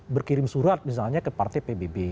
berkirim surat misalnya ke partai pbb